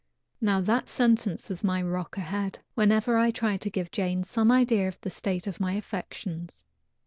Now that sentence was my rock ahead, whenever I tried to give Jane some idea of the state of my affections.